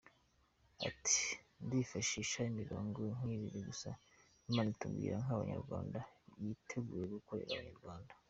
Ati “Ndifashisha imirongo nk’ibiri gusa Imana itubwira nk’Abanyarwanda yiteguye gukorera Abanyarwanda.